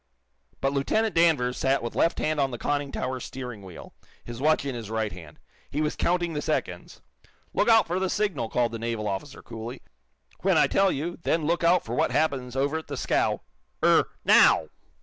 But Lieutenant Danvers sat with left hand on the conning tower steering wheel, his watch in his right hand. He was counting the seconds. "Look out for the signal," called the naval officer, coolly. "When I tell you, then look out for what happens over at the scow. Er now!"